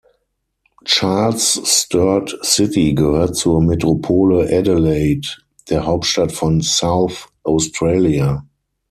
Charles Sturt City gehört zur Metropole Adelaide, der Hauptstadt von South Australia.